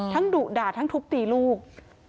ดุด่าทั้งทุบตีลูก